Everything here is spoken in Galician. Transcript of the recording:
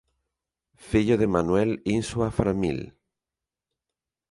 Fillo de Manuel Insua Framil.